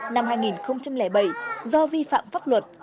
năm hai nghìn bảy do vi phạm pháp luật